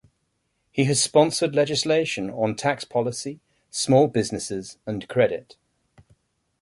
He has sponsored legislation on tax policy, small businesses, and credit.